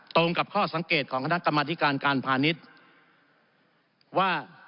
ตรงกับข้อสังเกตของคณะกรรมธิการการพาณิชย์ว่า